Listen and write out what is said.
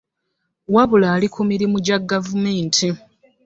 Wabula ali ku mirimu gya gavumenti.